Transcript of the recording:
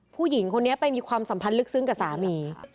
ผู้หญิงคนนี้ไปมีความสัมพันธ์ลึกซึ้งกับสามี